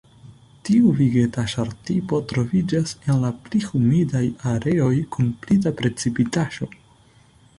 Tiu vegetaĵar-tipo troviĝas en la pli humidaj areoj kun pli da precipitaĵo.